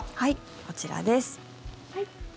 こちらです。